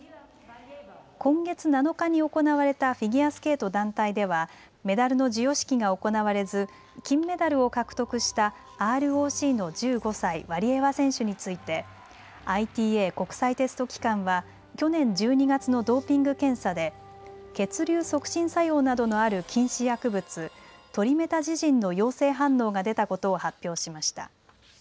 今月７日に行われたフィギュアスケート団体ではメダルの授与式が行われず金メダルを獲得したＲＯＣの１５歳ワリエワ選手についてＩＴＡ・国際テスト機関は去年１２月のドーピング検査で血流促進作用などのある禁止薬物トリメタジジンの陽性反応が出たことを発表しました。